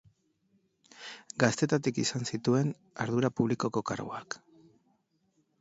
Gaztetandik izan zituen ardura publikoko karguak.